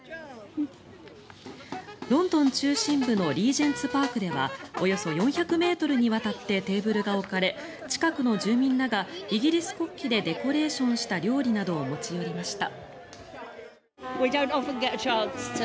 ロンドン中心部のリージェンツ・パークではおよそ４００ｍにわたってテーブルが置かれ近くの住民らがイギリス国旗でデコレーションした料理などを持ち寄りました。